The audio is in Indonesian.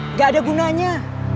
nggak ada gunanya